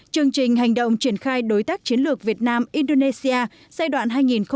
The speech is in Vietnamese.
chương trình hành động triển khai đối tác chiến lược việt nam indonesia giai đoạn hai nghìn một mươi chín hai nghìn ba mươi